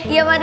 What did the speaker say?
iya pak d